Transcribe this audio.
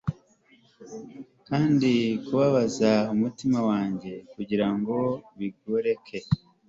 kandi, kubabaza umutima wanjye kugirango bigoreke